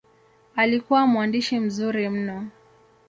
Alikuwa mwandishi mzuri mno.